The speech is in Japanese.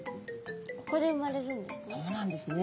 ここで生まれるんですね。